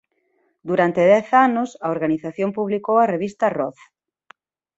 Durante dez anos a organización publicou a revista "Roz".